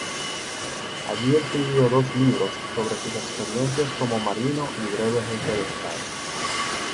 Allí escribió dos libros sobre sus experiencias como marino y breve Jefe de Estado.